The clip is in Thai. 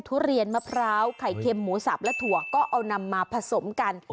ทุเรียนมะพร้าวไข่เค็มหมูสับและถั่วก็เอานำมาผสมกัน